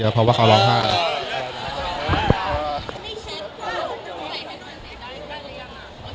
ใครรู้กันนะแม่งใครรู้กัน